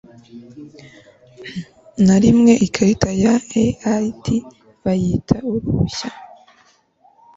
na rimwe ikarita ya EAD bayita uruhushya